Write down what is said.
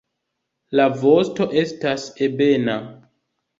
La vosto estas ebena.